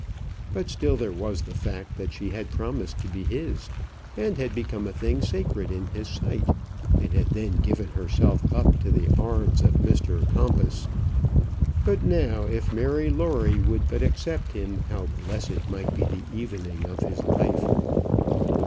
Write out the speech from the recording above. But still there was the fact that she had promised to be his, and had become a thing sacred in his sight, and had then given herself up to the arms of Mr Compas. But now if Mary Lawrie would but accept him, how blessed might be the evening of his life!